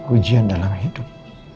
ujian dalam hidup